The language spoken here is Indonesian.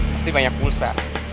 pasti banyak pulsa